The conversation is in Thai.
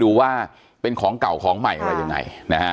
ดูว่าเป็นของเก่าของใหม่อะไรยังไงนะฮะ